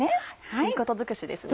いいこと尽くしですね。